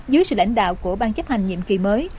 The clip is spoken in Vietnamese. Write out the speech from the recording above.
dưới sự lãnh đạo của ban chấp hành nhiệm kỳ mới